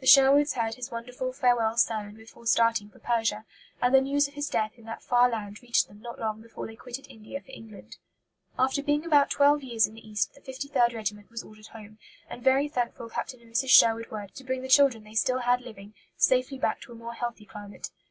The Sherwoods heard his wonderful farewell sermon before starting for Persia; and the news of his death in that far land reached them not long before they quitted India for England. After being about twelve years in the East, the 53rd Regiment was ordered home, and very thankful Captain and Mrs. Sherwood were to bring the children they still had living safely back to a more healthy climate.